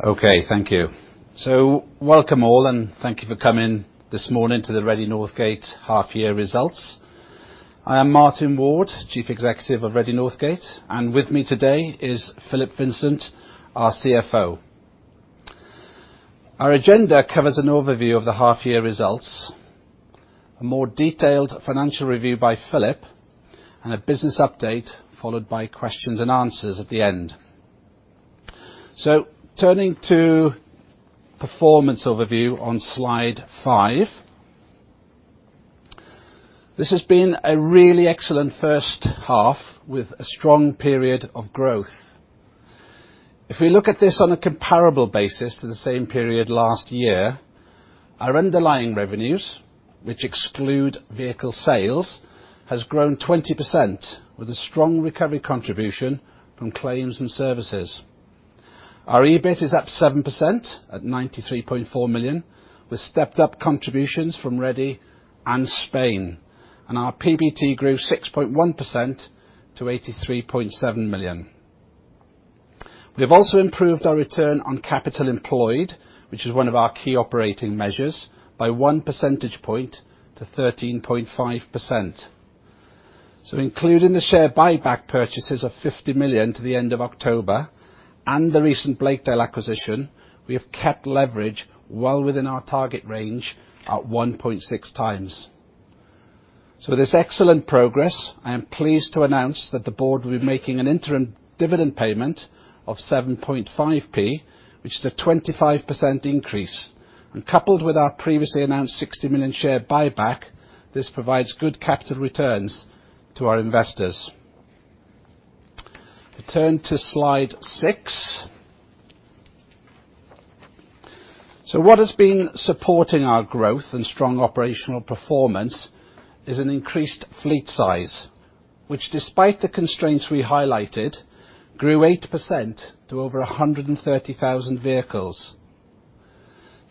Welcome all, and thank you for coming this morning to the Redde Northgate's half year results. I am Martin Ward, Chief Executive of Redde Northgate, and with me today is Philip Vincent, our CFO. Our agenda covers an overview of the half year results, a more detailed financial review by Philip, and a business update, followed by questions and answers at the end. Turning to performance overview on slide five, this has been a really excellent first half, with a strong period of growth. If we look at this on a comparable basis to the same period last year, our underlying revenues, which exclude vehicle sales, has grown 20% with a strong recovery contribution from claims and services. Our EBIT is up 7% at 93.4 million, with stepped-up contributions from Redde and Spain. Our PBT grew 6.1% to 83.7 million. We have also improved our return on capital employed, which is one of our key operating measures, by 1 percentage point to 13.5%. Including the share buyback purchases of 50 million to the end of October and the recent Blakedale acquisition, we have kept leverage well within our target range at 1.6x. With this excellent progress, I am pleased to announce that the board will be making an interim dividend payment of 7.5p, which is a 25% increase. Coupled with our previously announced 60 million share buyback, this provides good capital returns to our investors. If we turn to slide 6. What has been supporting our growth and strong operational performance is an increased fleet size, which despite the constraints we highlighted, grew 8% to over 130,000 vehicles.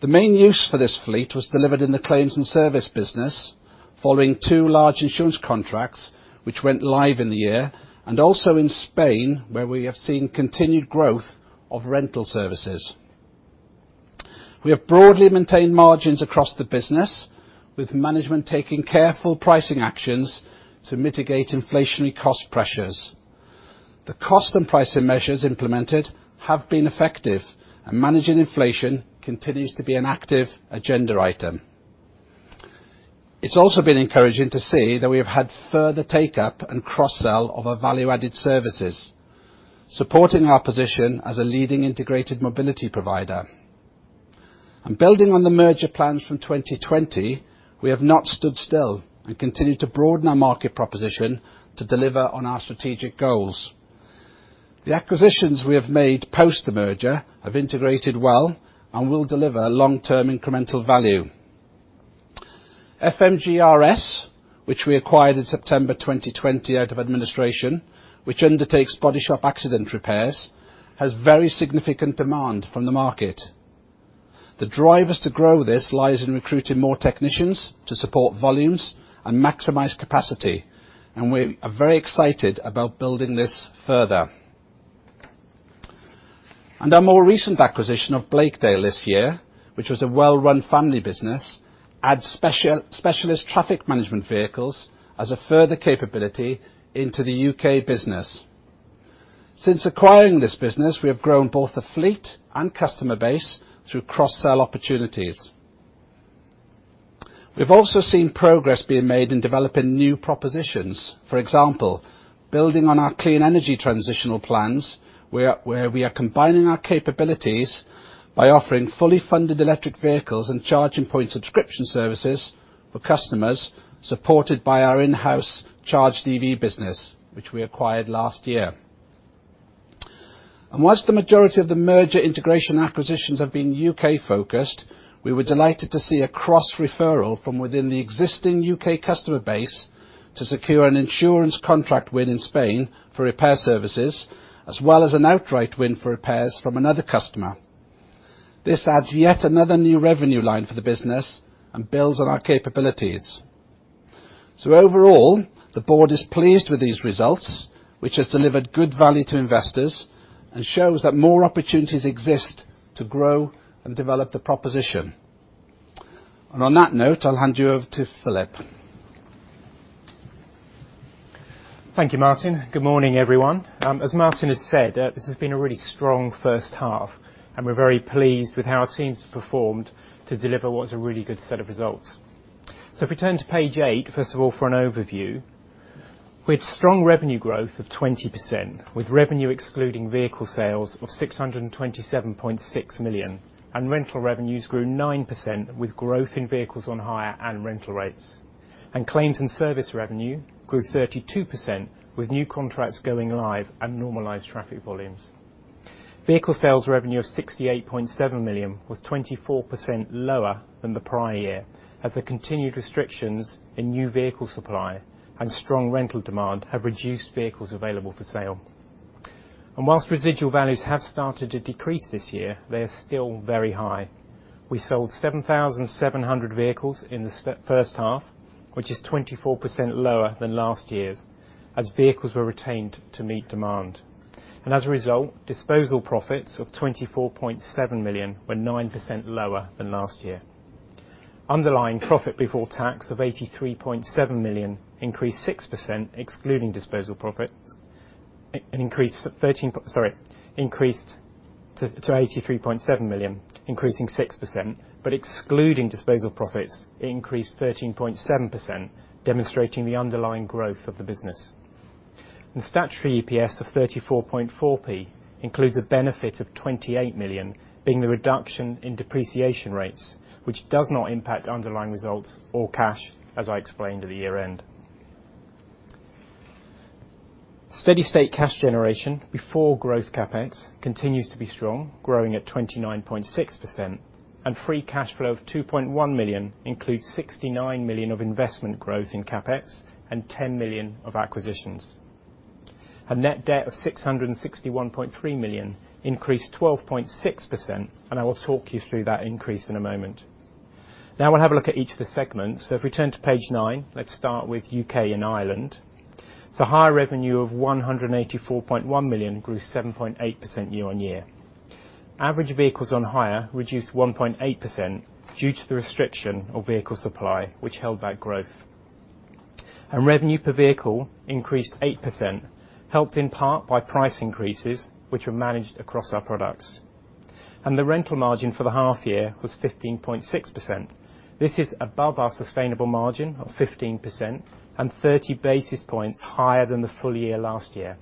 The main use for this fleet was delivered in the claims and service business, following two large insurance contracts which went live in the year, and also in Spain, where we have seen continued growth of rental services. We have broadly maintained margins across the business with management taking careful pricing actions to mitigate inflationary cost pressures. The cost and pricing measures implemented have been effective, and managing inflation continues to be an active agenda item. It's also been encouraging to see that we have had further take-up and cross-sell of our value-added services, supporting our position as a leading integrated mobility provider. Building on the merger plans from 2020, we have not stood still and continue to broaden our market proposition to deliver on our strategic goals. The acquisitions we have made post the merger have integrated well and will deliver long-term incremental value. FMG RS, which we acquired in September 2020 out of administration, which undertakes body shop accident repairs, has very significant demand from the market. The drivers to grow this lies in recruiting more technicians to support volumes and maximize capacity, and we are very excited about building this further. Our more recent acquisition of Blakedale this year, which was a well-run family business, adds specialist traffic management vehicles as a further capability into the U.K. business. Since acquiring this business, we have grown both the fleet and customer base through cross-sell opportunities. We've also seen progress being made in developing new propositions. For example, building on our clean energy transitional plans, where we are combining our capabilities by offering fully funded electric vehicles and charging point subscription services for customers, supported by our in-house ChargedEV business, which we acquired last year. Whilst the majority of the merger integration acquisitions have been U.K. focused, we were delighted to see a cross-referral from within the existing U.K. customer base to secure an insurance contract win in Spain for repair services, as well as an outright win for repairs from another customer. This adds yet another new revenue line for the business and builds on our capabilities. Overall, the board is pleased with these results, which has delivered good value to investors and shows that more opportunities exist to grow and develop the proposition. On that note, I'll hand you over to Philip. Thank you, Martin. Good morning, everyone. As Martin has said, this has been a really strong first half, and we're very pleased with how our team's performed to deliver what is a really good set of results. If we turn to page 8, first of all for an overview. We had strong revenue growth of 20%, with revenue excluding vehicle sales of 627.6 million, and rental revenues grew 9% with growth in vehicles on hire and rental rates. Claims and service revenue grew 32% with new contracts going live and normalized traffic volumes. Vehicle sales revenue of 68.7 million was 24% lower than the prior year, as the continued restrictions in new vehicle supply and strong rental demand have reduced vehicles available for sale. Whilst residual values have started to decrease this year, they are still very high. We sold 7,700 vehicles in the first half. Which is 24% lower than last year's, as vehicles were retained to meet demand. As a result, disposal profits of 24.7 million were 9% lower than last year. Underlying profit before tax of 83.7 million increased 6% excluding disposal profits. Increased to 83.7 million, increasing 6%, but excluding disposal profits, it increased 13.7%, demonstrating the underlying growth of the business. Statutory EPS of 0.344 includes a benefit of 28 million, being the reduction in depreciation rates, which does not impact underlying results or cash as I explained at the year-end. Steady-state cash generation before growth CapEx continues to be strong, growing at 29.6%. Free cash flow of 2.1 million includes 69 million of investment growth in CapEx and 10 million of acquisitions. Our net debt of 661.3 million increased 12.6%. I will talk you through that increase in a moment. Now we'll have a look at each of the segments. If we turn to page 9, let's start with U.K. and Ireland. Higher revenue of 184.1 million grew 7.8% year-over-year. Average vehicles on hire reduced 1.8% due to the restriction of vehicle supply, which held back growth. Revenue per vehicle increased 8%, helped in part by price increases, which were managed across our products. The rental margin for the half year was 15.6%. This is above our sustainable margin of 15% and 30 basis points higher than the full year last year.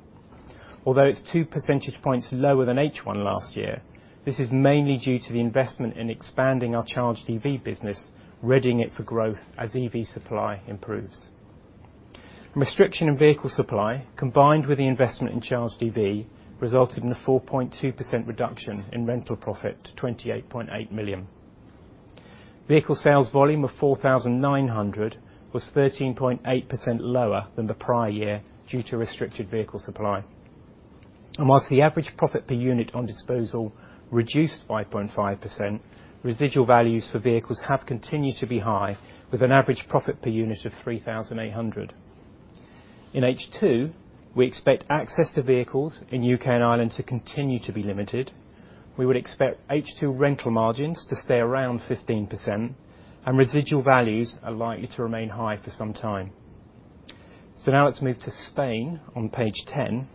Although it's 2 percentage points lower than H1 last year, this is mainly due to the investment in expanding our ChargedEV business, readying it for growth as EV supply improves. Restriction in vehicle supply, combined with the investment in ChargedEV, resulted in a 4.2% reduction in rental profit to 28.8 million. Vehicle sales volume of 4,900 was 13.8% lower than the prior year due to restricted vehicle supply. Whilst the average profit per unit on disposal reduced 5.5%, residual values for vehicles have continued to be high, with an average profit per unit of 3,800. In H2, we expect access to vehicles in U.K. and Ireland to continue to be limited. We would expect H2 rental margins to stay around 15%, and residual values are likely to remain high for some time. Now let's move to Spain on page 10.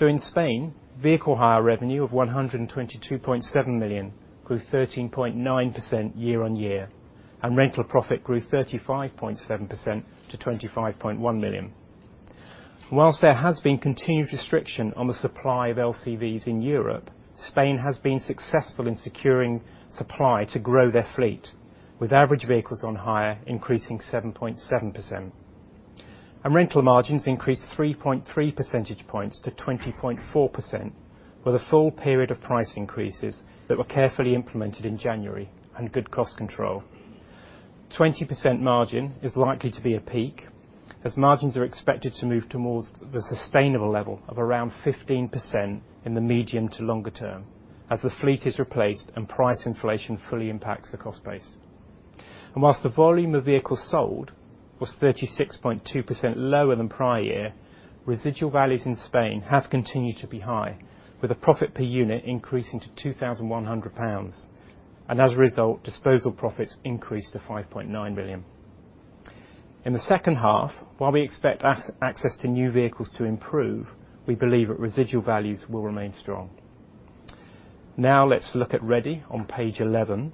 In Spain, vehicle hire revenue of 122.7 million grew 13.9% year-on-year, and rental profit grew 35.7% to 25.1 million. Whilst there has been continued restriction on the supply of LCVs in Europe, Spain has been successful in securing supply to grow their fleet, with average vehicles on hire increasing 7.7%. Rental margins increased 3.3 percentage points to 20.4% with a full period of price increases that were carefully implemented in January and good cost control. 20% margin is likely to be a peak, as margins are expected to move towards the sustainable level of around 15% in the medium to longer term as the fleet is replaced and price inflation fully impacts the cost base. Whilst the volume of vehicles sold was 36.2% lower than prior year, residual values in Spain have continued to be high, with a profit per unit increasing to 2,100 pounds. As a result, disposal profits increased to 5.9 million. In the second half, while we expect access to new vehicles to improve, we believe that residual values will remain strong. Now let's look at Redde on page 11.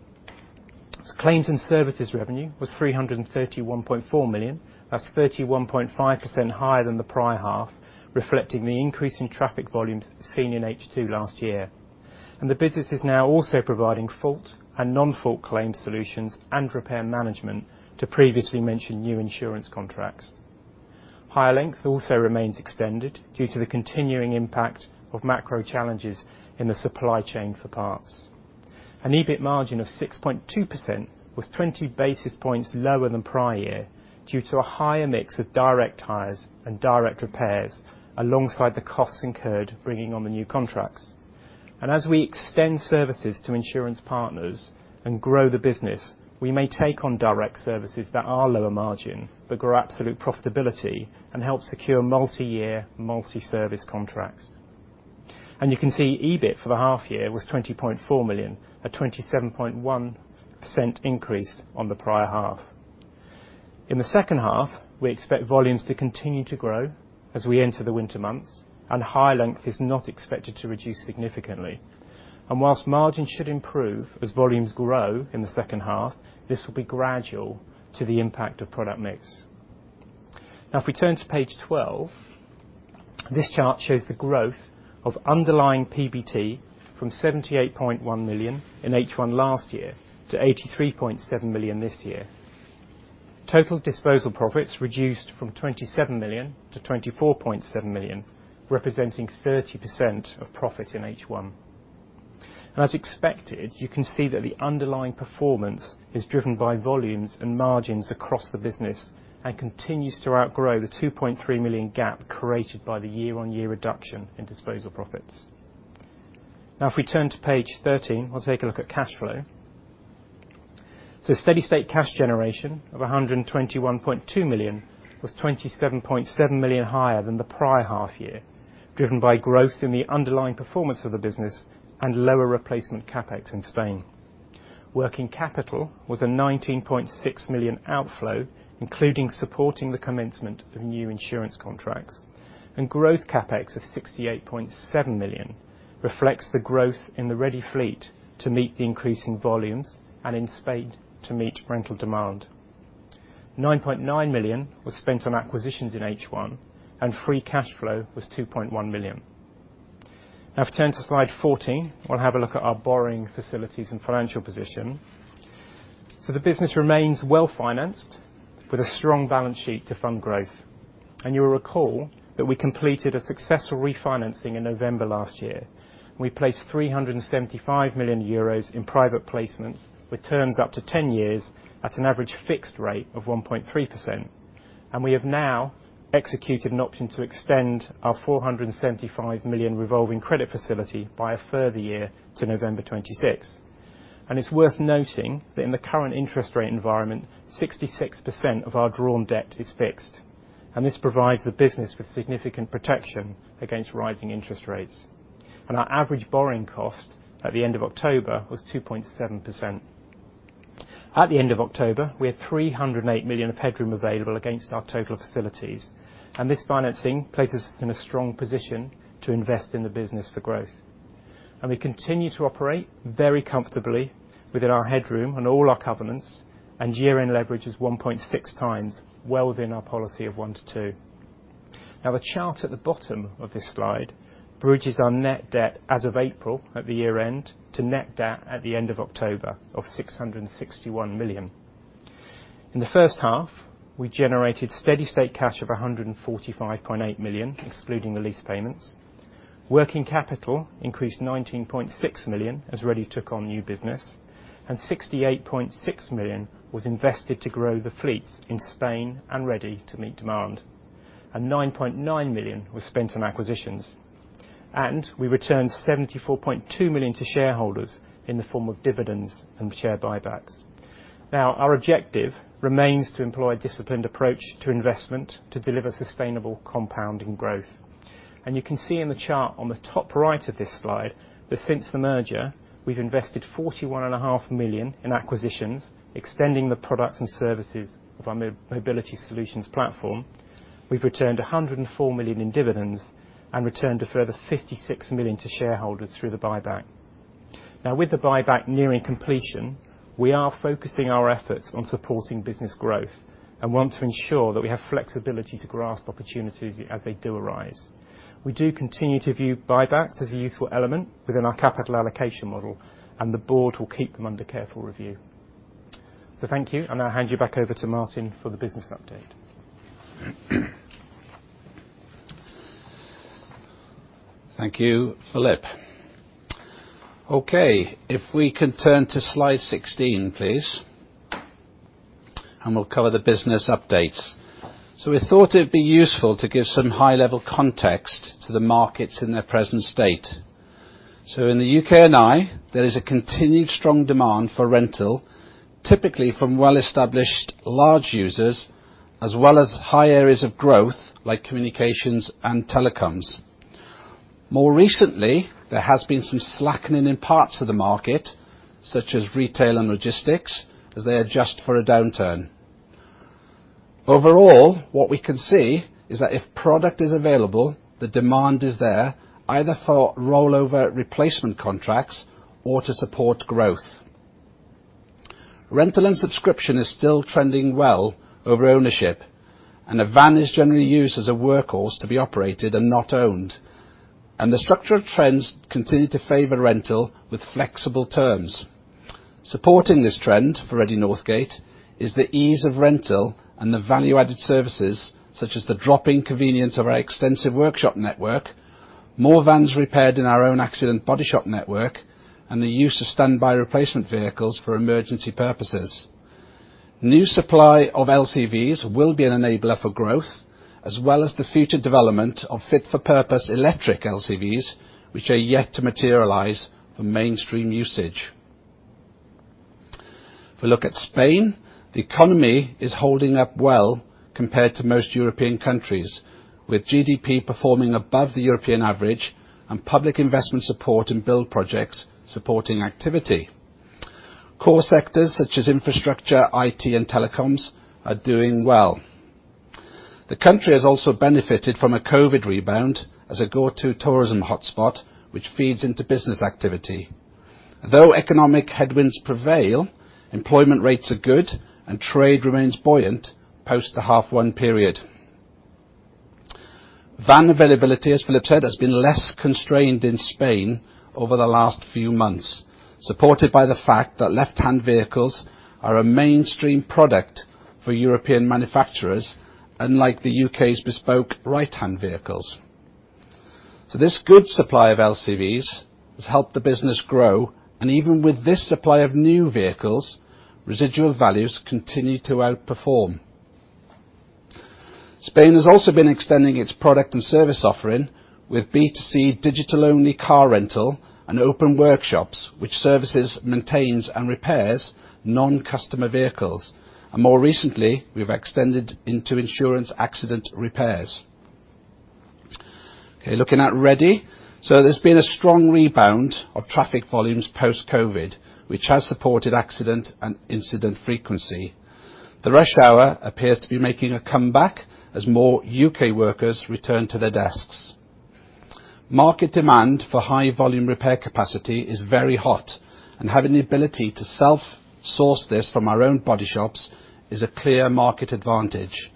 Claims and services revenue was 331.4 million. That's 31.5% higher than the prior half, reflecting the increase in traffic volumes seen in H2 last year. The business is now also providing fault and non-fault claim solutions and repair management to previously mentioned new insurance contracts. Hire length also remains extended due to the continuing impact of macro challenges in the supply chain for parts. An EBIT margin of 6.2% was 20 basis points lower than prior year due to a higher mix of direct hires and direct repairs alongside the costs incurred bringing on the new contracts. As we extend services to insurance partners and grow the business, we may take on direct services that are lower margin but grow absolute profitability and help secure multi-year, multi-service contracts. You can see EBIT for the half year was 20.4 million, a 27.1% increase on the prior half. In the second half, we expect volumes to continue to grow as we enter the winter months and hire length is not expected to reduce significantly. Whilst margins should improve as volumes grow in the second half, this will be gradual to the impact of product mix. If we turn to page 12, this chart shows the growth of underlying PBT from 78.1 million in H1 last year to 83.7 million this year. Total disposal profits reduced from 27 million-24.7 million, representing 30% of profit in H1. As expected, you can see that the underlying performance is driven by volumes and margins across the business and continues to outgrow the 2.3 million gap created by the year-on-year reduction in disposal profits. If we turn to page 13, we'll take a look at cash flow. Steady state cash generation of 121.2 million was 27.7 million higher than the prior half year, driven by growth in the underlying performance of the business and lower replacement CapEx in Spain. Working capital was a 19.6 million outflow, including supporting the commencement of new insurance contracts. Growth CapEx of 68.7 million reflects the growth in the ready fleet to meet the increasing volumes, and in Spain to meet rental demand. 9.9 million was spent on acquisitions in H1, and free cash flow was 2.1 million. If we turn to slide 14, we'll have a look at our borrowing facilities and financial position. The business remains well-financed with a strong balance sheet to fund growth. You'll recall that we completed a successful refinancing in November last year. We placed 375 million euros in private placements with terms up to 10 years at an average fixed rate of 1.3%. We have now executed an option to extend our 475 million revolving credit facility by a further year to November 2026. It's worth noting that in the current interest rate environment, 66% of our drawn debt is fixed, and this provides the business with significant protection against rising interest rates. Our average borrowing cost at the end of October was 2.7%. At the end of October, we had 308 million of headroom available against our total facilities, and this financing places us in a strong position to invest in the business for growth. We continue to operate very comfortably within our headroom on all our covenants, and year-end leverage is 1.6 times, well within our policy of '1.0x to 2.0x.' The chart at the bottom of this slide bridges our net debt as of April at the year-end to net debt at the end of October of 661 million. In the first half, we generated steady state cash of 145.8 million, excluding the lease payments. Working capital increased 19.6 million as Redde took on new business, and 68.6 million was invested to grow the fleets in Spain and Redde to meet demand. 9.9 million was spent on acquisitions. We returned 74.2 million to shareholders in the form of dividends and share buybacks. Our objective remains to employ a disciplined approach to investment to deliver sustainable compounding growth. You can see in the chart on the top right of this slide that since the merger, we've invested 41.5 million in acquisitions, extending the products and services of our mobility solutions platform. We've returned 104 million in dividends and returned a further 56 million to shareholders through the buyback. With the buyback nearing completion, we are focusing our efforts on supporting business growth and want to ensure that we have flexibility to grasp opportunities as they do arise. We do continue to view buybacks as a useful element within our capital allocation model, and the board will keep them under careful review. Thank you, and I'll hand you back over to Martin for the business update. Thank you, Philip. If we can turn to slide 16, please, and we'll cover the business update. We thought it'd be useful to give some high-level context to the markets in their present state. In the U.K. and I, there is a continued strong demand for rental, typically from well-established large users, as well as high areas of growth like communications and telecoms. More recently, there has been some slackening in parts of the market, such as retail and logistics, as they adjust for a downturn. Overall, what we can see is that if product is available, the demand is there, either for rollover replacement contracts or to support growth. Rental and subscription is still trending well over ownership, and a van is generally used as a workhorse to be operated and not owned. The structural trends continue to favor rental with flexible terms. Supporting this trend for Redde Northgate is the ease of rental and the value-added services, such as the drop-in convenience of our extensive workshop network, more vans repaired in our own accident bodyshop network, and the use of standby replacement vehicles for emergency purposes. New supply of LCVs will be an enabler for growth, as well as the future development of fit-for-purpose electric LCVs, which are yet to materialize for mainstream usage. If we look at Spain, the economy is holding up well compared to most European countries, with GDP performing above the European average and public investment support in build projects supporting activity. Core sectors such as infrastructure, IT, and telecoms are doing well. The country has also benefited from a COVID rebound as a go-to tourism hotspot, which feeds into business activity. Though economic headwinds prevail, employment rates are good and trade remains buoyant post the H1 period. Van availability, as Philip said, has been less constrained in Spain over the last few months, supported by the fact that left-hand vehicles are a mainstream product for European manufacturers, unlike the U.K.'s bespoke right-hand vehicles. This good supply of LCVs has helped the business grow, and even with this supply of new vehicles, residual values continue to outperform. Spain has also been extending its product and service offering with B2C digital only car rental and open workshops which services, maintains, and repairs non-customer vehicles. More recently, we've extended into insurance accident repairs. Okay, looking at Redde. There's been a strong rebound of traffic volumes post-COVID, which has supported accident and incident frequency. The rush hour appears to be making a comeback as more U.K. workers return to their desks. Market demand for high volume repair capacity is very hot. Having the ability to self-source this from our own body shops is a clear market advantage.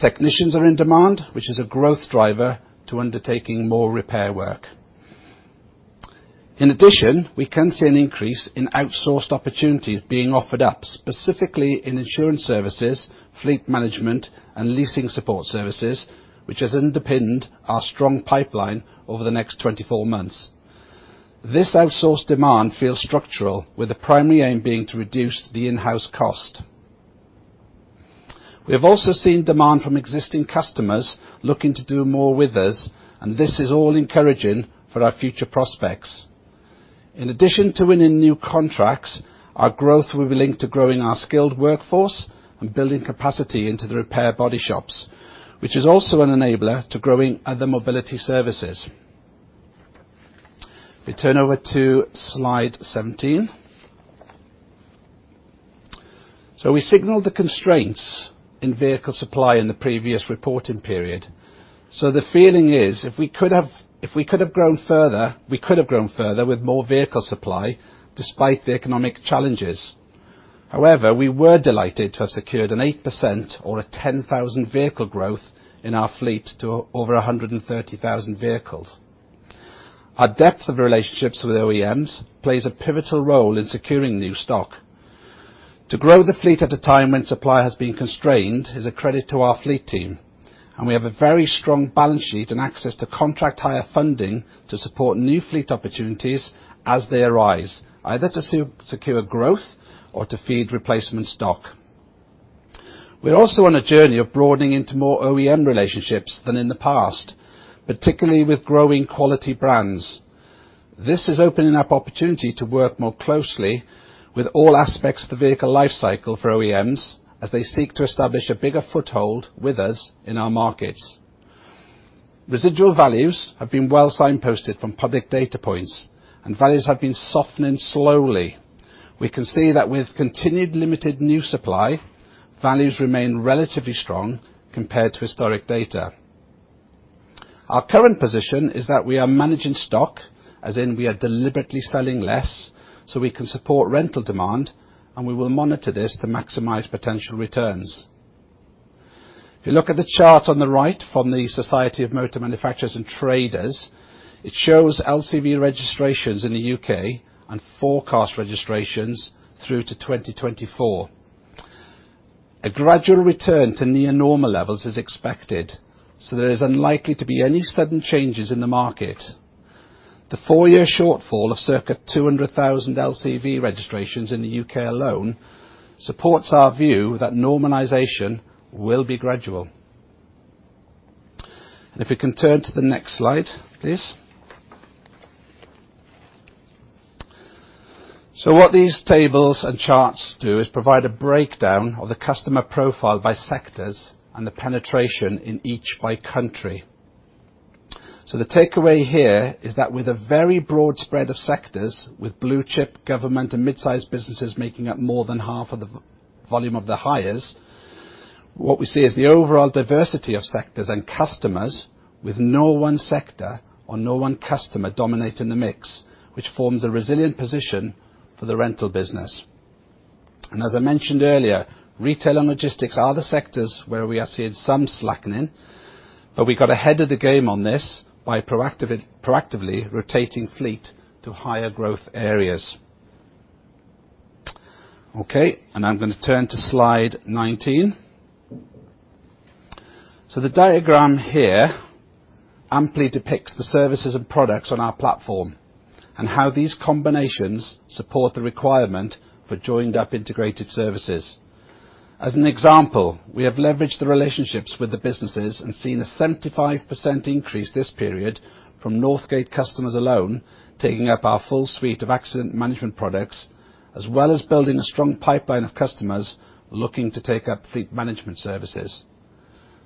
Technicians are in demand, which is a growth driver to undertaking more repair work. We can see an increase in outsourced opportunities being offered up, specifically in insurance services, fleet management and leasing support services, which has underpinned our strong pipeline over the next 24 months. This outsourced demand feels structural, with the primary aim being to reduce the in-house cost. We have also seen demand from existing customers looking to do more with us. This is all encouraging for our future prospects. To winning new contracts, our growth will be linked to growing our skilled workforce and building capacity into the repair body shops, which is also an enabler to growing other mobility services. If we turn over to slide 17. We signaled the constraints in vehicle supply in the previous reporting period, so the feeling is if we could have grown further with more vehicle supply despite the economic challenges. However, we were delighted to have secured an 8% or a 10,000 vehicle growth in our fleet to over 130,000 vehicles. Our depth of relationships with OEMs plays a pivotal role in securing new stock. To grow the fleet at a time when supply has been constrained is a credit to our fleet team, and we have a very strong balance sheet and access to contract higher funding to support new fleet opportunities as they arise, either to secure growth or to feed replacement stock. We're also on a journey of broadening into more OEM relationships than in the past, particularly with growing quality brands. This is opening up opportunity to work more closely with all aspects of the vehicle life cycle for OEMs as they seek to establish a bigger foothold with us in our markets. Residual values have been well signposted from public data points, and values have been softening slowly. We can see that with continued limited new supply, values remain relatively strong compared to historic data. Our current position is that we are managing stock, as in we are deliberately selling less so we can support rental demand, and we will monitor this to maximize potential returns. If you look at the chart on the right from the Society of Motor Manufacturers and Traders, it shows LCV registrations in the U.K. and forecast registrations through to 2024. A gradual return to near normal levels is expected, so there is unlikely to be any sudden changes in the market. The four-year shortfall of circa 200,000 LCV registrations in the U.K. alone supports our view that normalization will be gradual. If we can turn to the next slide, please. What these tables and charts do is provide a breakdown of the customer profile by sectors and the penetration in each by country. The takeaway here is that with a very broad spread of sectors with blue chip government and mid-sized businesses making up more than half of the volume of the hires, what we see is the overall diversity of sectors and customers with no one sector or no one customer dominating the mix, which forms a resilient position for the rental business. As I mentioned earlier, retail and logistics are the sectors where we are seeing some slackening, but we got ahead of the game on this by proactively rotating fleet to higher growth areas. Okay, I'm gonna turn to slide 19. The diagram here amply depicts the services and products on our platform and how these combinations support the requirement for joined up integrated services. As an example, we have leveraged the relationships with the businesses and seen a 75% increase this period from Northgate customers alone, taking up our full suite of accident management products, as well as building a strong pipeline of customers looking to take up fleet management services.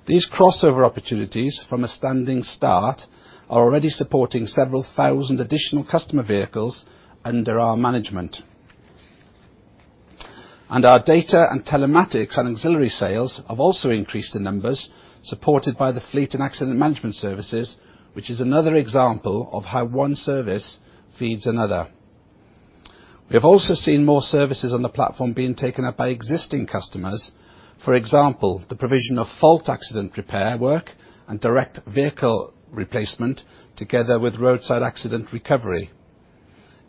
These crossover opportunities from a standing start are already supporting several thousand additional customer vehicles under our management. Our data and telematics and auxiliary sales have also increased in numbers supported by the fleet and accident management services, which is another example of how one service feeds another. We have also seen more services on the platform being taken up by existing customers. For example, the provision of fault accident repair work and direct vehicle replacement together with roadside accident recovery.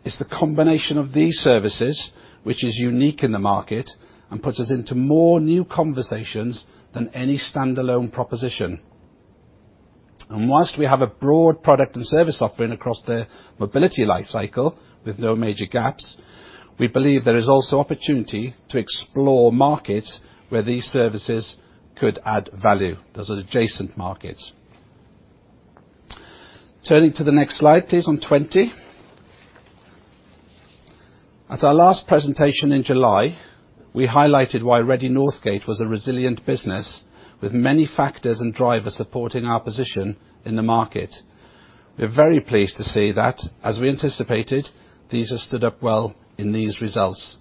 It's the combination of these services which is unique in the market and puts us into more new conversations than any standalone proposition. Whilst we have a broad product and service offering across the mobility life cycle with no major gaps, we believe there is also opportunity to explore markets where these services could add value. Those are adjacent markets. Turning to the next slide, please, on 20. At our last presentation in July, we highlighted why Redde Northgate was a resilient business with many factors and drivers supporting our position in the market. We're very pleased to see that, as we anticipated, these have stood up well in these results.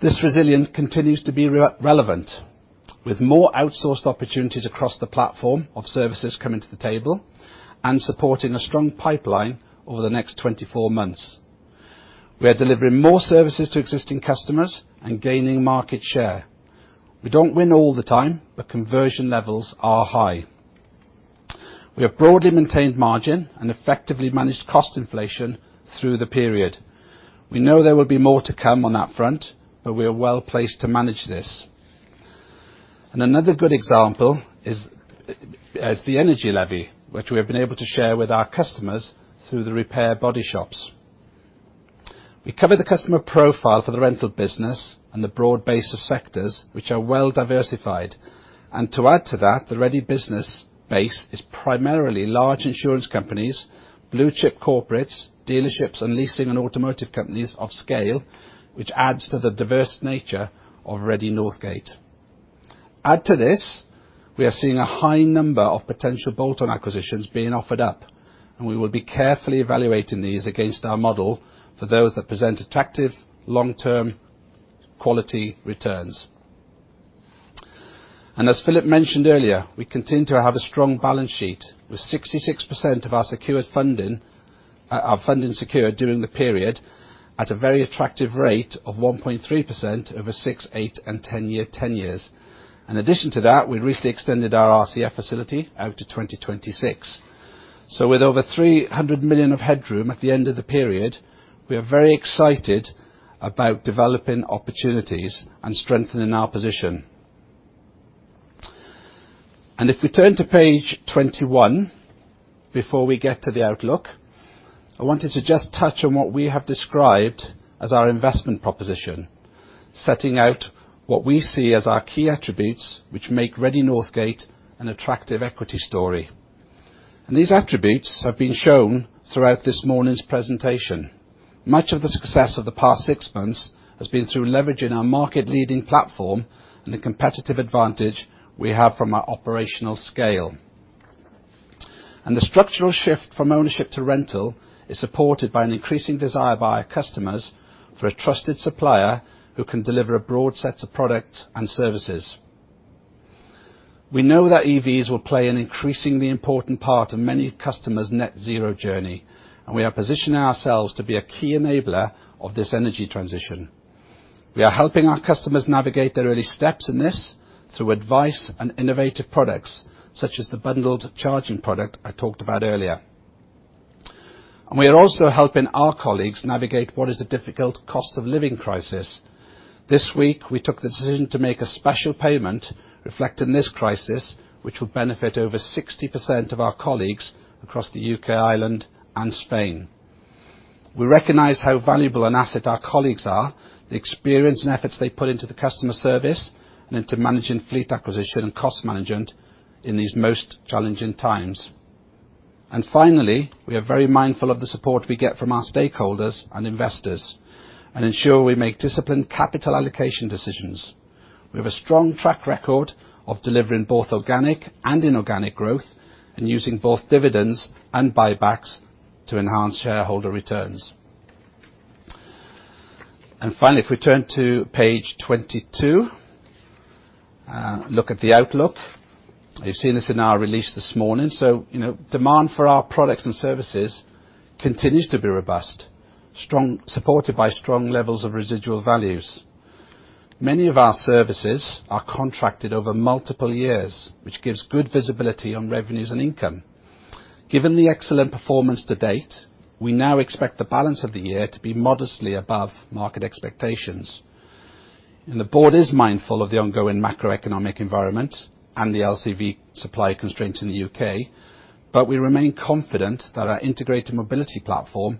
This resilience continues to be re-relevant with more outsourced opportunities across the platform of services coming to the table and supporting a strong pipeline over the next 24 months. We are delivering more services to existing customers and gaining market share. We don't win all the time. Conversion levels are high. We have broadly maintained margin and effectively managed cost inflation through the period. We know there will be more to come on that front. We are well placed to manage this. Another good example is the energy levy, which we have been able to share with our customers through the repair body shops. We cover the customer profile for the rental business and the broad base of sectors which are well diversified. To add to that, the Redde business base is primarily large insurance companies, blue chip corporates, dealerships, and leasing and automotive companies of scale, which adds to the diverse nature of Redde Northgate. Add to this, we are seeing a high number of potential bolt-on acquisitions being offered up, and we will be carefully evaluating these against our model for those that present attractive long-term quality returns. As Philip mentioned earlier, we continue to have a strong balance sheet, with 66% of our secured funding... Our funding secured during the period at a very attractive rate of 1.3% over 6, 8, and 10 years. In addition to that, we recently extended our RCF facility out to 2026. With over 300 million of headroom at the end of the period, we are very excited about developing opportunities and strengthening our position. If we turn to page 21 before we get to the outlook, I wanted to just touch on what we have described as our investment proposition, setting out what we see as our key attributes which make Redde Northgate an attractive equity story. These attributes have been shown throughout this morning's presentation. Much of the success of the past 6 months has been through leveraging our market-leading platform and the competitive advantage we have from our operational scale. The structural shift from ownership to rental is supported by an increasing desire by our customers for a trusted supplier who can deliver a broad set of products and services. We know that EVs will play an increasingly important part in many customers' net zero journey, and we are positioning ourselves to be a key enabler of this energy transition. We are helping our customers navigate their early steps in this through advice and innovative products, such as the bundled charging product I talked about earlier. We are also helping our colleagues navigate what is a difficult cost of living crisis. This week, we took the decision to make a special payment reflecting this crisis, which will benefit over 60% of our colleagues across the U.K., Ireland, and Spain. We recognize how valuable an asset our colleagues are, the experience and efforts they put into the customer service and into managing fleet acquisition and cost management in these most challenging times. Finally, we are very mindful of the support we get from our stakeholders and investors and ensure we make disciplined capital allocation decisions. We have a strong track record of delivering both organic and inorganic growth and using both dividends and buybacks to enhance shareholder returns. Finally, if we turn to page 22, look at the outlook. You've seen this in our release this morning. You know, demand for our products and services continues to be robust, strong. Supported by strong levels of residual values. Many of our services are contracted over multiple years, which gives good visibility on revenues and income. Given the excellent performance to date, we now expect the balance of the year to be modestly above market expectations. The board is mindful of the ongoing macroeconomic environment and the LCV supply constraints in the U.K., but we remain confident that our integrated mobility platform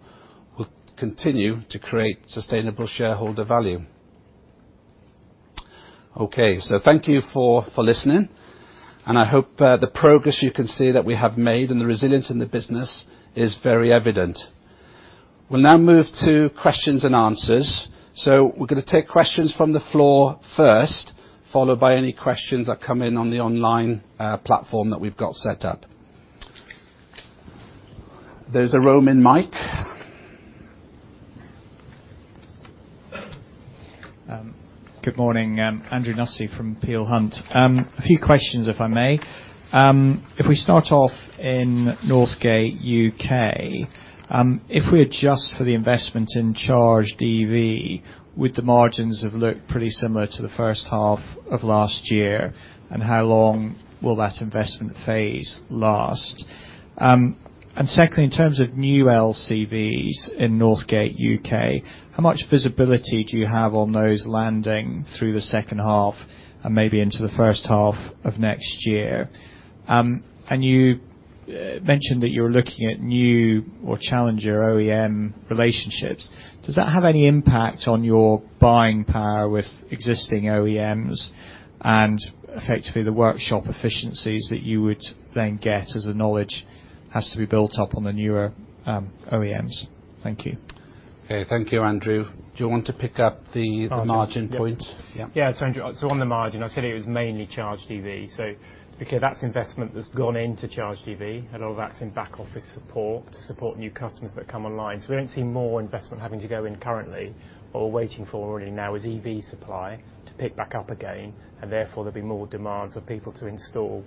will continue to create sustainable shareholder value. Thank you for listening, and I hope the progress you can see that we have made and the resilience in the business is very evident. We'll now move to questions-and-answers. We're gonna take questions from the floor first, followed by any questions that come in on the online platform that we've got set up. There's a roaming mic. Good morning. Andrew Nussey from Peel Hunt. A few questions, if I may. If we start off in Northgate U.K., if we adjust for the investment in ChargedEV, would the margins have looked pretty similar to the first half of last year? How long will that investment phase last? Secondly, in terms of new LCVs in Northgate U.K., how much visibility do you have on those landing through the second half and maybe into the first half of next year? You mentioned that you're looking at new or challenger OEM relationships. Does that have any impact on your buying power with existing OEMs and effectively the workshop efficiencies that you would then get as the knowledge has to be built up on the newer OEMs? Thank you. Okay, thank you, Andrew. Do you want to pick up the margin point? Yeah. Yeah. Andrew, so on the margin, I said it was mainly ChargedEV. Okay, that's investment that's gone into ChargedEV, a lot of that's in back office support to support new customers that come online. We don't see more investment having to go in currently. All we're waiting for really now is EV supply to pick back up again, and therefore there'll be more demand for people to install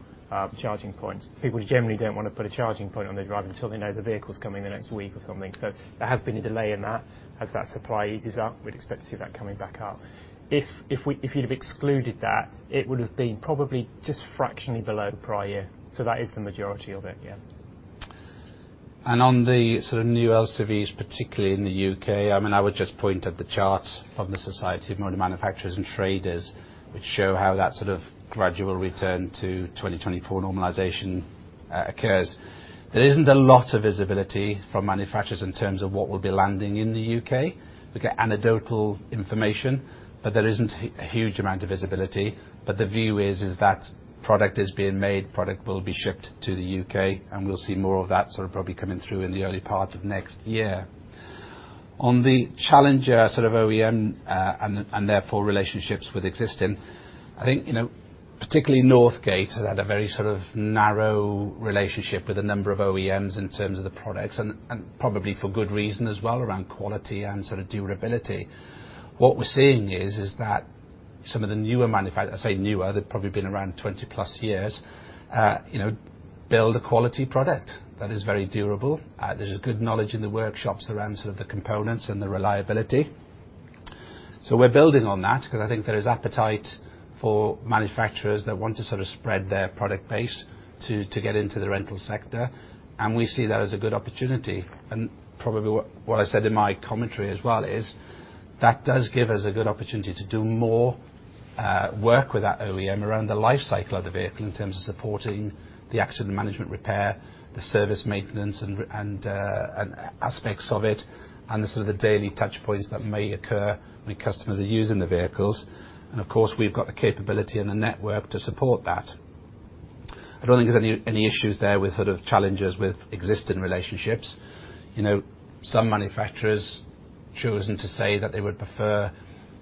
charging points. People generally don't wanna put a charging point on their drive until they know the vehicle's coming the next week or something. There has been a delay in that. As that supply eases up, we'd expect to see that coming back up. If you'd have excluded that, it would've been probably just fractionally below the prior year. That is the majority of it. On the sort of new LCVs, particularly in the U.K., I mean, I would just point at the charts from the Society of Motor Manufacturers and Traders, which show how that sort of gradual return to 2024 normalization occurs. There isn't a lot of visibility from manufacturers in terms of what will be landing in the U.K. We get anecdotal information, but there isn't huge amount of visibility. The view is that product is being made, product will be shipped to the U.K., and we'll see more of that sort of probably coming through in the early part of next year. On the challenger sort of OEM, and therefore relationships with existing, I think, you know, particularly Northgate has had a very sort of narrow relationship with a number of OEMs in terms of the products and probably for good reason as well around quality and sort of durability. What we're seeing is that some of the newer I say newer, they've probably been around 20+ years, you know, build a quality product that is very durable. There's a good knowledge in the workshops around sort of the components and the reliability. We're building on that because I think there is appetite for manufacturers that want to sort of spread their product base to get into the rental sector, and we see that as a good opportunity. Probably what I said in my commentary as well is that does give us a good opportunity to do more work with that OEM around the life cycle of the vehicle in terms of supporting the accident management repair, the service maintenance and aspects of it, and the sort of the daily touch points that may occur when customers are using the vehicles. Of course, we've got the capability and the network to support that. I don't think there's any issues there with sort of challenges with existing relationships. You know, some manufacturers chosen to say that they would prefer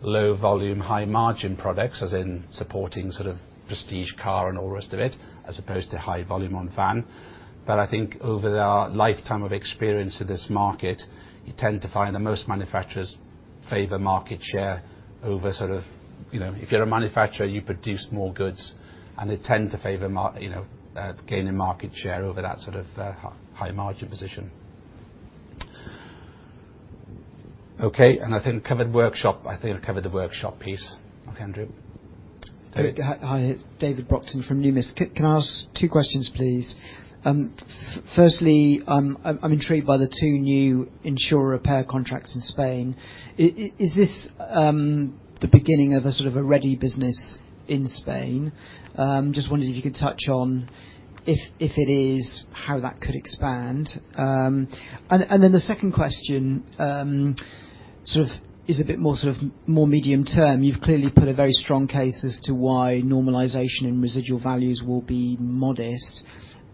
low volume, high margin products as in supporting sort of prestige car and all the rest of it, as opposed to high volume on van. I think over our lifetime of experience in this market, you tend to find that most manufacturers favor market share over sort of, you know, if you're a manufacturer, you produce more goods, and they tend to favor you know, gaining market share over that sort of, high margin position. Okay, and I think covered workshop, I think I covered the workshop piece. Okay, Andrew. David? Hi, it's David Brockton from Numis. Can I ask two questions, please? Firstly, I'm intrigued by the two new insurer repair contracts in Spain. Is this the beginning of a sort of a Redde business in Spain? Just wondering if you could touch on if it is, how that could expand. Then the second question sort of is a bit more sort of more medium term. You've clearly put a very strong case as to why normalization in residual values will be modest,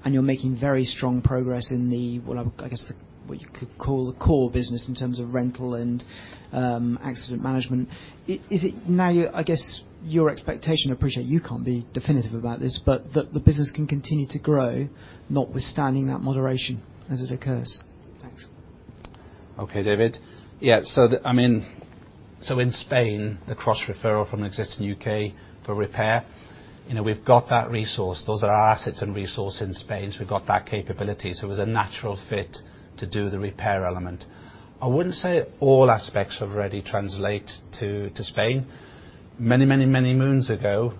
and you're making very strong progress in the, I guess the, what you could call the core business in terms of rental and accident management. Is it now your, I guess, your expectation, I appreciate you can't be definitive about this, but the business can continue to grow notwithstanding that moderation as it occurs? Thanks. Okay, David. Yeah, I mean, in Spain, the cross-referral from existing U.K. for repair, you know, we've got that resource. Those are our assets and resource in Spain, so we've got that capability. It was a natural fit to do the repair element. I wouldn't say all aspects of Redde translate to Spain. Many moons ago,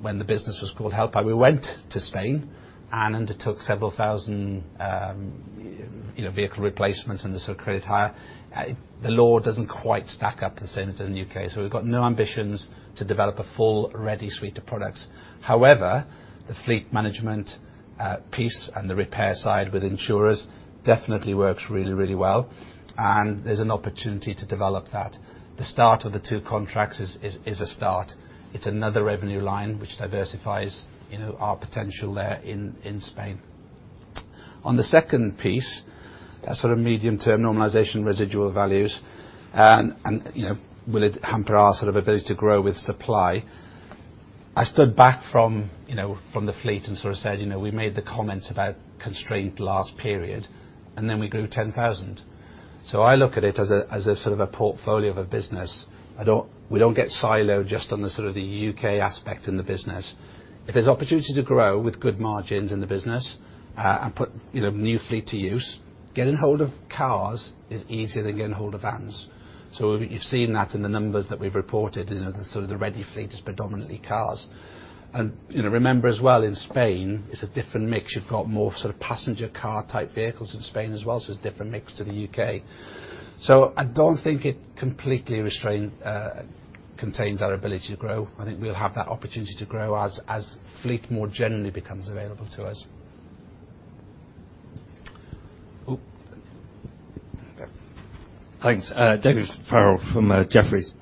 when the business was called Helphire, we went to Spain and undertook several thousand, you know, vehicle replacements in the sort of credit hire. The law doesn't quite stack up the same as it does in the U.K.. We've got no ambitions to develop a full Redde suite of products. However, the fleet management piece and the repair side with insurers definitely works really, really well, and there's an opportunity to develop that. The start of the two contracts is a start. It's another revenue line which diversifies, you know, our potential there in Spain. On the second piece, that sort of medium term normalization residual values, and, you know, will it hamper our sort of ability to grow with supply? I stood back from, you know, from the fleet and sort of said, you know, we made the comments about constraint last period, and then we grew 10,000. I look at it as a sort of a portfolio of a business. We don't get siloed just on the sort of the U.K. aspect in the business. If there's opportunity to grow with good margins in the business, and put, you know, new fleet to use, getting hold of cars is easier than getting hold of vans. You've seen that in the numbers that we've reported. You know, the sort of the Redde fleet is predominantly cars. You know, remember as well in Spain, it's a different mix. You've got more sort of passenger car type vehicles in Spain as well, so it's a different mix to the U.K. I don't think it completely contains our ability to grow. I think we'll have that opportunity to grow as fleet more generally becomes available to us. Thanks. David Farrell from Jefferies.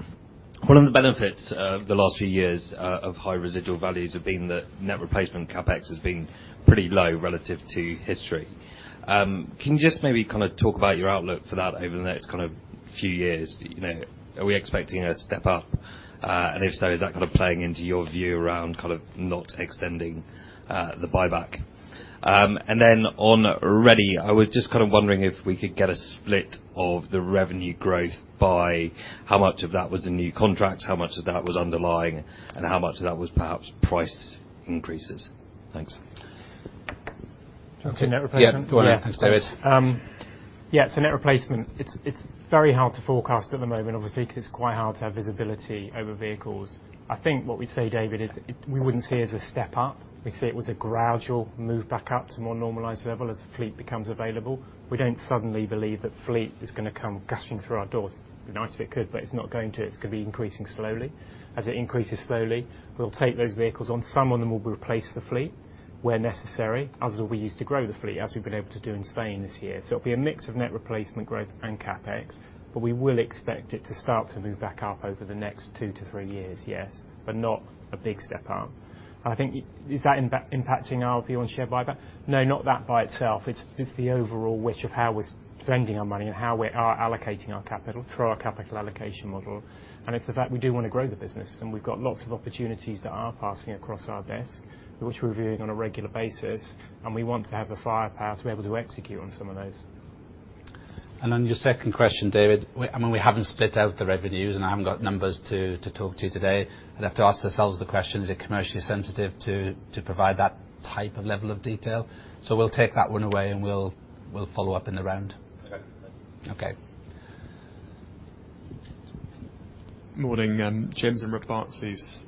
One of the benefits of the last few years of high residual values have been the net replacement CapEx has been pretty low relative to history. Can you just maybe kinda talk about your outlook for that over the next kind of few years? You know, are we expecting a step up? If so, is that kind of playing into your view around kind of not extending the buyback? Then on Redde, I was just kind of wondering if we could get a split of the revenue growth by how much of that was in new contracts, how much of that was underlying, and how much of that was perhaps price increases. Thanks. Do you want to take net replacement? Yeah. Go on. Thanks, David. Yeah. Yeah, so net replacement, it's very hard to forecast at the moment, obviously, 'cause it's quite hard to have visibility over vehicles. I think what we'd say, David, is we wouldn't see it as a step up. We see it was a gradual move back up to a more normalized level as the fleet becomes available. We don't suddenly believe that fleet is gonna come gushing through our doors. Be nice if it could, but it's not going to. It's gonna be increasing slowly. As it increases slowly, we'll take those vehicles on. Some of them will replace the fleet where necessary, others will be used to grow the fleet, as we've been able to do in Spain this year. It'll be a mix of net replacement growth and CapEx. We will expect it to start to move back up over the next 2-3 years, yes, but not a big step up. Is that impacting our view on share buyback? No, not that by itself. It's the overall which of how we're spending our money and how we are allocating our capital through our capital allocation model. It's the fact we do wanna grow the business, and we've got lots of opportunities that are passing across our desk, which we're reviewing on a regular basis, and we want to have the firepower to be able to execute on some of those. On your second question, David, I mean, we haven't split out the revenues, and I haven't got numbers to talk to you today. I'd have to ask ourselves the question, is it commercially sensitive to provide that type of level of detail? We'll take that one away and we'll follow up in the round. Okay, thanks. Okay. Morning. James from Barclays,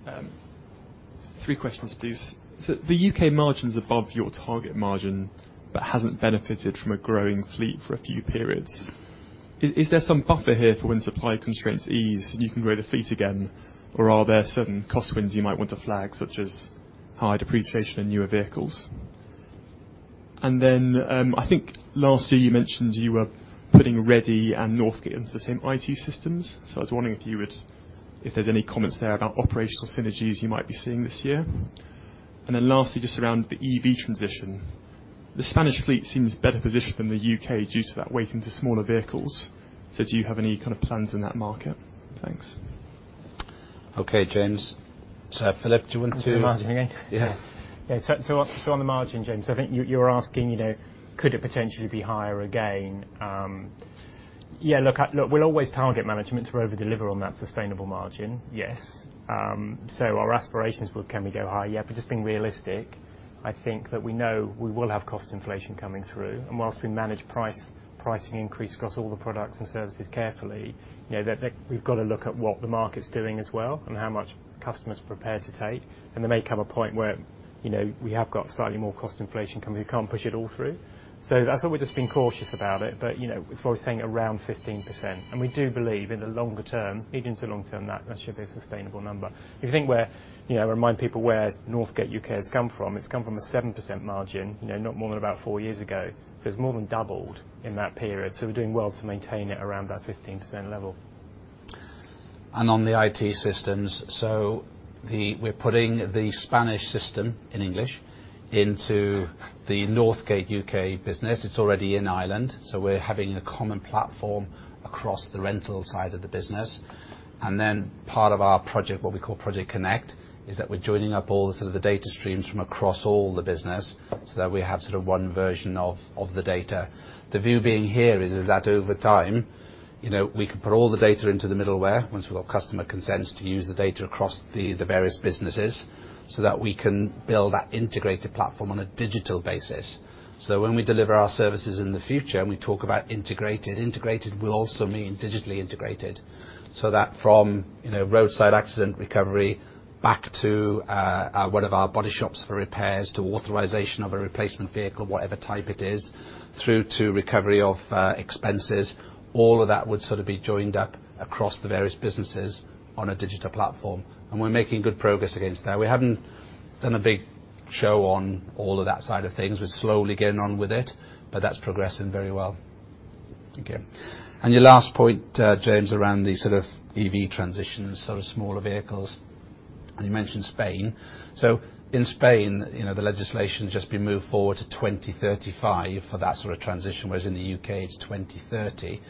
three questions, please. The U.K. margin's above your target margin, but hasn't benefited from a growing fleet for a few periods. Is there some buffer here for when supply constraints ease and you can grow the fleet again, or are there certain cost wins you might want to flag, such as high depreciation in newer vehicles? I think last year you mentioned you were putting Redde and Northgate into the same IT systems. I was wondering if there's any comments there about operational synergies you might be seeing this year. Just around the EV transition. The Spanish fleet seems better positioned than the U.K. due to that weight into smaller vehicles. Do you have any kind of plans in that market? Thanks. Okay, James. Philip, do you want to- On to the margin again? Yeah. On the margin, James, I think you're asking, you know, could it potentially be higher again? Look, we'll always target management to overdeliver on that sustainable margin, yes. Our aspirations, well, can we go higher? Just being realistic, I think that we know we will have cost inflation coming through. Whilst we manage pricing increase across all the products and services carefully, you know, that we've got to look at what the market's doing as well and how much customers are prepared to take. There may come a point where, you know, we have got slightly more cost inflation coming, we can't push it all through. That's why we're just being cautious about it. You know, as we're saying around 15%. We do believe in the longer term, even to long term, that should be a sustainable number. If you think where, you know, remind people where Northgate U.K. has come from, it's come from a 7% margin, you know, not more than about 4 years ago. It's more than doubled in that period. We're doing well to maintain it around that 15% level. On the IT systems. We're putting the Spanish system in English into the Northgate U.K. business. It's already in Ireland, so we're having a common platform across the rental side of the business. Part of our project, what we call Project Connect, is that we're joining up all the sort of the data streams from across all the business, so that we have sort of one version of the data. The view being here is that over time, you know, we can put all the data into the middleware once we've got customer consents to use the data across the various businesses, so that we can build that integrated platform on a digital basis. When we deliver our services in the future, and we talk about integrated will also mean digitally integrated. So that from, you know, roadside accident recovery back to one of our body shops for repairs, to authorization of a replacement vehicle, whatever type it is, through to recovery of expenses, all of that would sort of be joined up across the various businesses on a digital platform. We're making good progress against that. We haven't done a big show on all of that side of things. We're slowly getting on with it, but that's progressing very well. Again. Your last point, James, around the sort of EV transitions, sort of smaller vehicles, and you mentioned Spain. In Spain, you know, the legislation's just been moved forward to 2035 for that sort of transition, whereas in the U.K., it's 2030.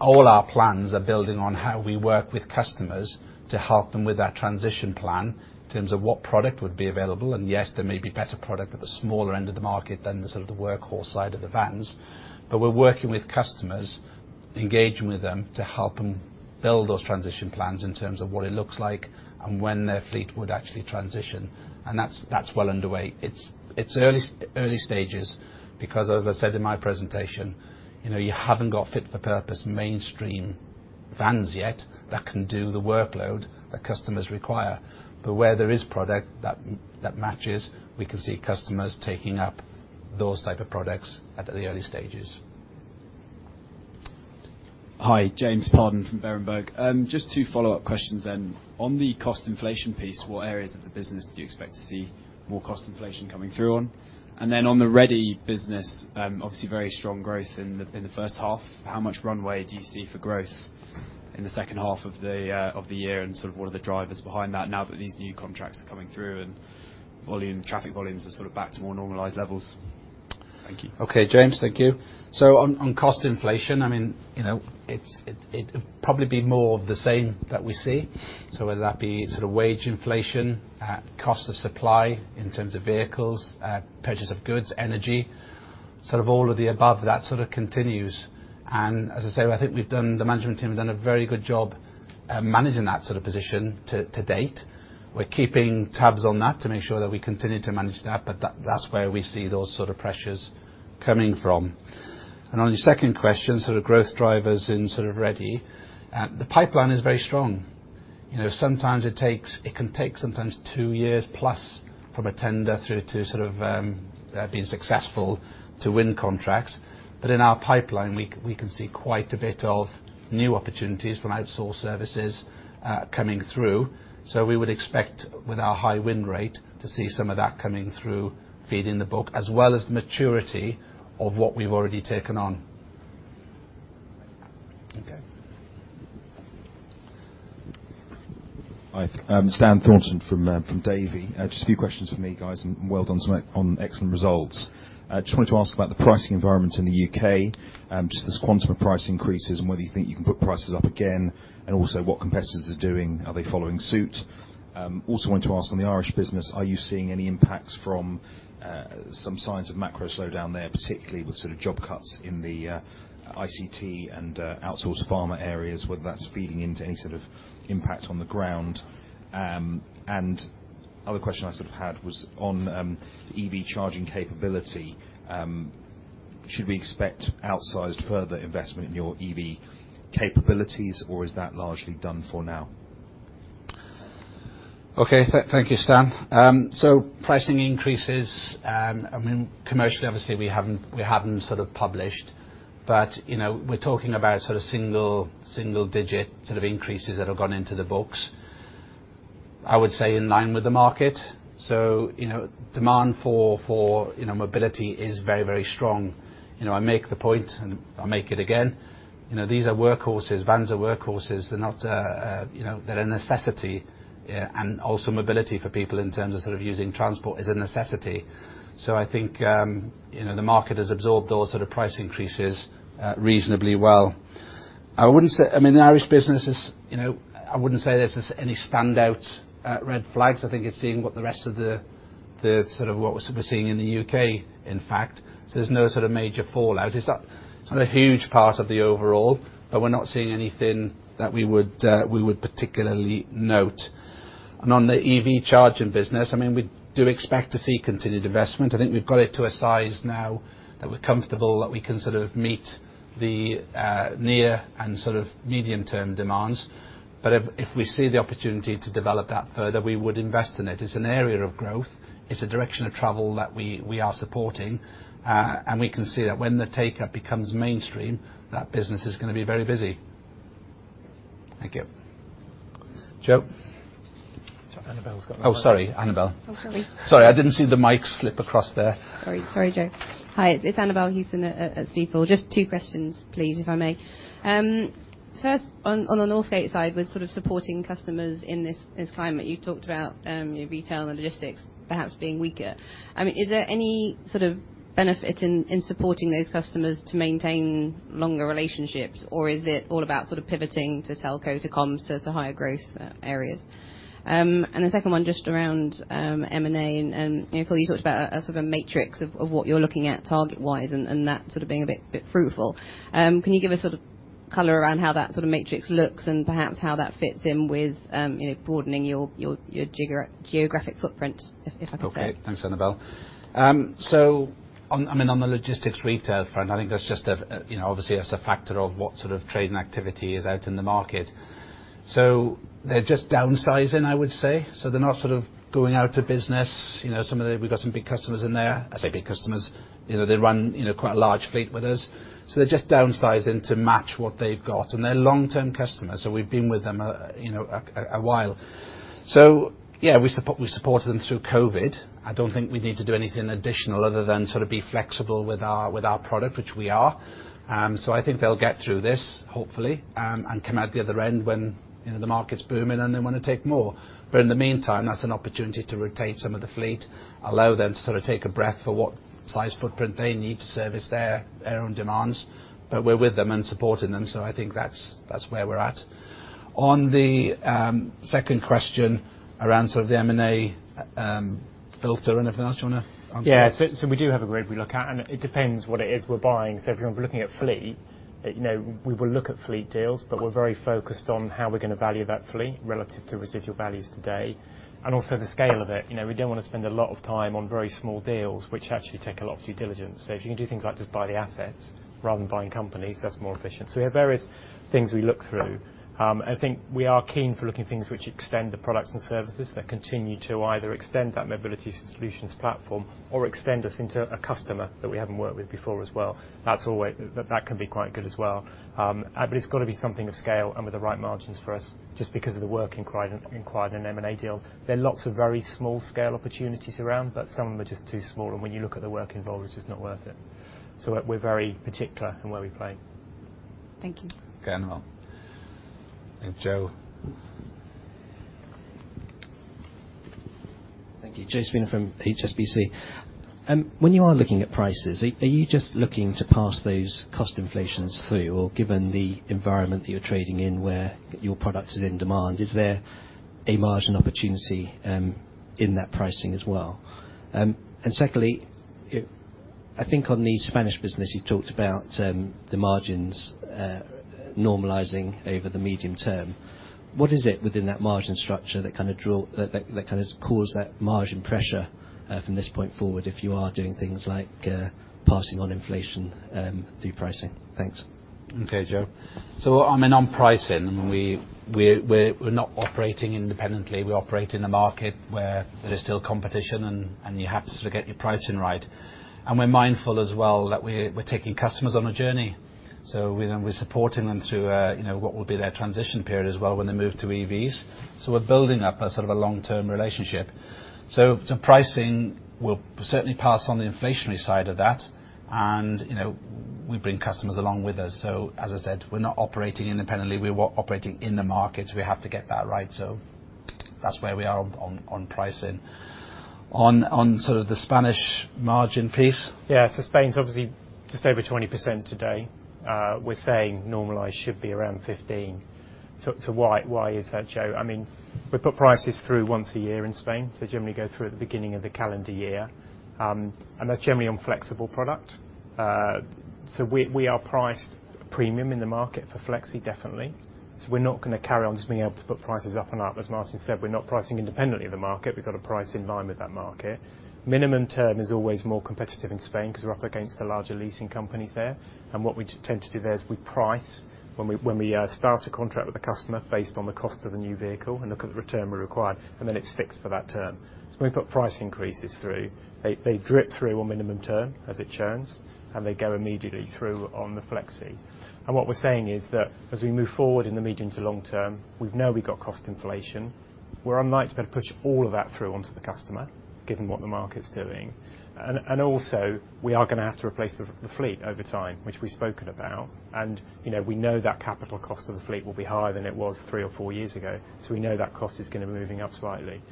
All our plans are building on how we work with customers to help them with that transition plan in terms of what product would be available. Yes, there may be better product at the smaller end of the market than the sort of the workhorse side of the vans. We're working with customers, engaging with them to help them build those transition plans in terms of what it looks like and when their fleet would actually transition. That's well underway. It's early stages because as I said in my presentation, you know, you haven't got fit for purpose mainstream vans yet that can do the workload that customers require. Where there is product that matches, we can see customers taking up those type of products at the early stages. Hi, James Staunton from Berenberg. Just two follow-up questions then. On the cost inflation piece, what areas of the business do you expect to see more cost inflation coming through on? On the Redde business, obviously very strong growth in the first half. How much runway do you see for growth in the second half of the year and sort of what are the drivers behind that now that these new contracts are coming through and volume, traffic volumes are sort of back to more normalized levels? Thank you. Okay, James. Thank you. On cost inflation, I mean, you know, it'd probably be more of the same that we see. Whether that be sort of wage inflation, cost of supply in terms of vehicles, purchase of goods, energy, sort of all of the above, that sort of continues. As I say, I think the management team have done a very good job at managing that sort of position to date. We're keeping tabs on that to make sure that we continue to manage that, but that's where we see those sort of pressures coming from. On your second question, sort of growth drivers in sort of Redde, the pipeline is very strong. You know, sometimes it can take sometimes 2+ years from a tender through to sort of, being successful to win contracts. In our pipeline, we can see quite a bit of new opportunities from outsourced services, coming through. We would expect with our high win rate to see some of that coming through feeding the book as well as maturity of what we've already taken on. Okay. Hi. Stan from Davy. Just a few questions from me, guys, and well done on excellent results. Just wanted to ask about the pricing environment in the U.K., just this quantum of price increases and whether you think you can put prices up again, and also what competitors are doing, are they following suit? Also wanted to ask on the Irish business, are you seeing any impacts from some signs of macro slowdown there, particularly with sort of job cuts in the ICT and outsource pharma areas, whether that's feeding into any sort of impact on the ground? Other question I sort of had was on EV charging capability, should we expect outsized further investment in your EV capabilities, or is that largely done for now? Okay. Thank you, Stan. Pricing increases, I mean, commercially, obviously we haven't sort of published, but, you know, we're talking about sort of single digit sort of increases that have gone into the books, I would say in line with the market. You know, demand for, you know, mobility is very, very strong. You know, I make the point and I'll make it again. You know, these are workhorses. Vans are workhorses. They're not, you know, they're a necessity, and also mobility for people in terms of sort of using transport is a necessity. I think, you know, the market has absorbed those sort of price increases reasonably well. I mean, the Irish business is, you know, I wouldn't say there's any standout red flags. I think it's seeing what the rest of the sort of what we're seeing in the U.K., in fact. There's no sort of major fallout. It's not, it's not a huge part of the overall, but we're not seeing anything that we would particularly note. On the EV charging business, I mean, we do expect to see continued investment. I think we've got it to a size now that we're comfortable that we can sort of meet the near and sort of medium-term demands. If we see the opportunity to develop that further, we would invest in it. It's an area of growth. It's a direction of travel that we are supporting. We can see that when the take-up becomes mainstream, that business is going to be very busy. Thank you. Joe? Sorry, Annabel's got one. Oh, sorry, Annabel. Oh, sorry. Sorry, I didn't see the mic slip across there. Sorry, Joe. Hi, it's Annabel Hewson at Stifel. Just two questions, please, if I may. First on the Northgate side with sort of supporting customers in this climate, you talked about, you know, retail and logistics perhaps being weaker. I mean, is there any sort of benefit in supporting those customers to maintain longer relationships, or is it all about sort of pivoting to telco, to comms, to higher growth areas? The second one just around M&A and, you know, Phil, you talked about a sort of a matrix of what you're looking at target-wise and that sort of being a bit fruitful. Can you give a sort of color around how that sort of matrix looks and perhaps how that fits in with, you know, broadening your, your geographic footprint, if I could say? Okay. Thanks, Annabel. On, I mean, on the logistics retail front, I think that's just a, you know, obviously that's a factor of what sort of trading activity is out in the market. They're just downsizing, I would say. They're not sort of going out of business. You know, we've got some big customers in there. I say big customers, you know, they run, you know, quite a large fleet with us. They're just downsizing to match what they've got. And they're long-term customers, we've been with them a while. Yeah, we supported them through COVID. I don't think we need to do anything additional other than sort of be flexible with our, with our product, which we are. I think they'll get through this hopefully and come out the other end when, you know, the market's booming and they want to take more. In the meantime, that's an opportunity to retain some of the fleet, allow them to sort of take a breath for what size footprint they need to service their own demands. We're with them and supporting them. I think that's where we're at. On the second question around sort of the M&A filter and everything, do you wanna answer? Yeah. We do have a grid we look at, and it depends what it is we're buying. If you're looking at fleet, you know, we will look at fleet deals, but we're very focused on how we're gonna value that fleet relative to residual values today and also the scale of it. You know, we don't wanna spend a lot of time on very small deals which actually take a lot of due diligence. If you can do things like just buy the assets rather than buying companies, that's more efficient. We have various things we look through. I think we are keen for looking at things which extend the products and services that continue to either extend that mobility solutions platform or extend us into a customer that we haven't worked with before as well. That can be quite good as well. But it's gotta be something of scale and with the right margins for us just because of the work required in quite an M&A deal. There are lots of very small scale opportunities around, but some of them are just too small, and when you look at the work involved, it's just not worth it. We're very particular in where we play. Thank you. Okay. Joe? Thank you. Joe Spooner from HSBC. When you are looking at prices, are you just looking to pass those cost inflations through? Given the environment that you're trading in where your product is in demand, is there a margin opportunity in that pricing as well? Secondly, I think on the Spanish business, you talked about the margins normalizing over the medium term. What is it within that margin structure that kinda cause that margin pressure from this point forward if you are doing things like passing on inflation through pricing? Thanks. I mean, on pricing, we're not operating independently. We operate in a market where there is still competition and you have to get your pricing right. We're mindful as well that we're taking customers on a journey, so we're supporting them through, you know, what will be their transition period as well when they move to EVs. We're building up a sort of a long-term relationship. To pricing, we'll certainly pass on the inflationary side of that and, you know, we bring customers along with us. As I said, we're not operating independently. We're operating in the markets. We have to get that right, so that's where we are on pricing. On sort of the Spanish margin piece. Spain's obviously just over 20% today. We're saying normalized should be around 15%. Why is that, Joe? I mean, we put prices through once a year in Spain, generally go through at the beginning of the calendar year, and that's generally on flexible product. We are priced premium in the market for flexi definitely. We're not gonna carry on just being able to put prices up and up. As Martin said, we're not pricing independently of the market. We've got to price in line with that market. Minimum term is always more competitive in Spain because we're up against the larger leasing companies there. What we tend to do there is we price when we, when we start a contract with a customer based on the cost of the new vehicle and look at the return we require, and then it's fixed for that term. When we put price increases through, they drip through on minimum term as it churns, and they go immediately through on the flexi. What we're saying is that as we move forward in the medium to long term, we know we've got cost inflation. We're unlikely to be able to push all of that through onto the customer given what the market's doing. Also we are gonna have to replace the fleet over time, which we've spoken about. You know, we know that capital cost of the fleet will be higher than it was three or four years ago, so we know that cost is gonna be moving up slightly.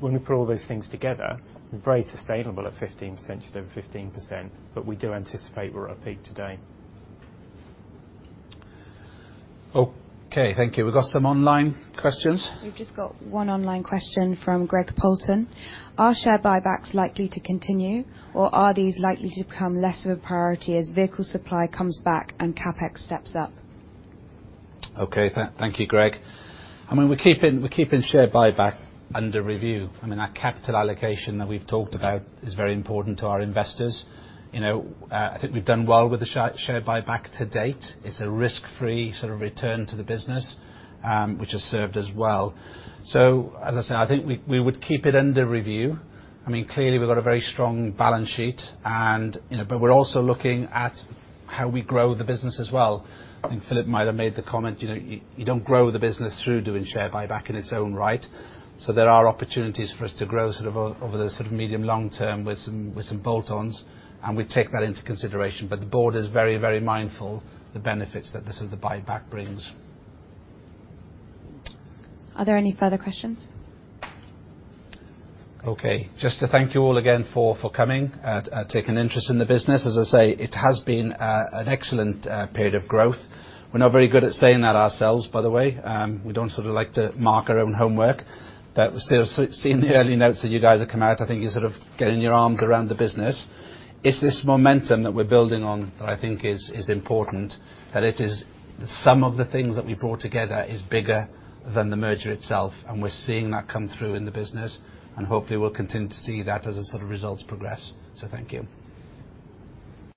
When we put all those things together, we're very sustainable at 15%, just over 15%, but we do anticipate we're at peak today. Okay, thank you. We've got some online questions? We've just got one online question from Greg Poulton. "Are share buybacks likely to continue, or are these likely to become less of a priority as vehicle supply comes back and CapEx steps up?" Okay. Thank you, Greg. I mean, we're keeping share buyback under review. I mean, our capital allocation that we've talked about is very important to our investors. You know, I think we've done well with the share buyback to date. It's a risk-free sort of return to the business, which has served us well. As I say, I think we would keep it under review. I mean, clearly, we've got a very strong balance sheet and, you know. We're also looking at how we grow the business as well. I think Philip might have made the comment, you know, you don't grow the business through doing share buyback in its own right. There are opportunities for us to grow over the sort of medium long term with some, with some bolt-ons, and we take that into consideration. The board is very mindful the benefits that the sort of buyback brings. Are there any further questions? Okay. Just to thank you all again for coming, taking an interest in the business. As I say, it has been an excellent period of growth. We're not very good at saying that ourselves, by the way. We don't sort of like to mark our own homework. Seeing the early notes that you guys have come out, I think you're sort of getting your arms around the business. It's this momentum that we're building on that I think is important, that it is some of the things that we brought together is bigger than the merger itself, and we're seeing that come through in the business. Hopefully, we'll continue to see that as the sort of results progress. Thank you.